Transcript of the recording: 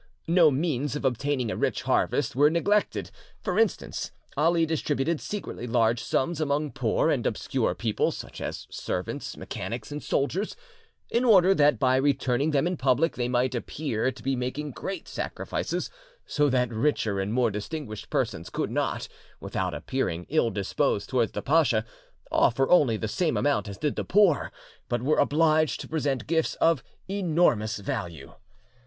No means of obtaining a rich harvest were neglected; for instance, Ali distributed secretly large sums among poor and obscure people, such as servants, mechanics, and soldiers, in order that by returning them in public they might appear to be making great sacrifices, so that richer and more distinguished persons could not, without appearing ill disposed towards the pacha, offer only the same amount as did the poor, but were obliged to present gifts of enormous value.